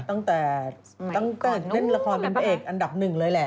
ตั้งแต่ตั้งแต่เล่นละครเป็นพระเอกอันดับหนึ่งเลยแหละ